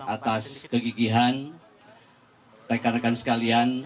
atas kegigihan rekan rekan sekalian